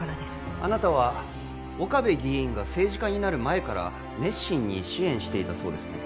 あなたは岡部議員が政治家になる前から熱心に支援していたそうですね